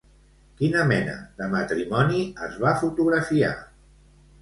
Quina mena de matrimoni es va fotografiar?